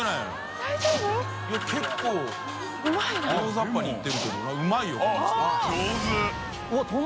大ざっぱにいってるけどΔ泙いこの人。